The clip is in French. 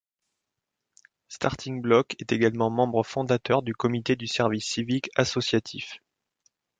Starting-Block est également membre fondateur du Comité du service civique associatif.